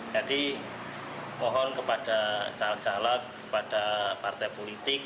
jadi mohon kepada calon calon kepada partai politik